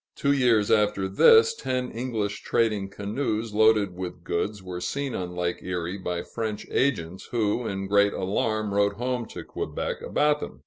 Two years after this, ten English trading canoes, loaded with goods, were seen on Lake Erie by French agents, who in great alarm wrote home to Quebec about them.